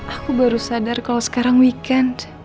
aku baru sadar kalau sekarang weekend